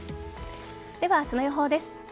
では、明日の予報です。